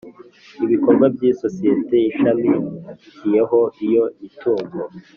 ibikorwa by isosiyeti ishamikiyeho iyo mitungo